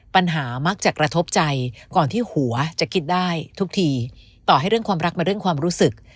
ปัญหามักจะกระทบใจก่อนที่หัวจะคิดได้ทุกทีต่อให้เรื่องความรักมาเรื่องความรู้สึก